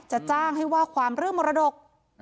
จ้างให้ว่าความเรื่องมรดก